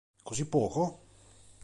Così poco?